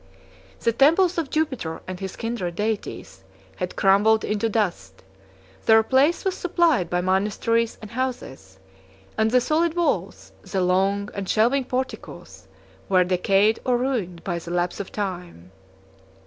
37 The temples of Jupiter and his kindred deities had crumbled into dust; their place was supplied by monasteries and houses; and the solid walls, the long and shelving porticos, were decayed or ruined by the lapse of time.